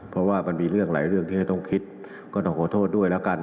เพราะว่ามันมีเรื่องหลายเรื่องที่จะต้องคิดก็ต้องขอโทษด้วยแล้วกัน